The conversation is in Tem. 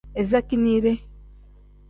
Iza keeniire.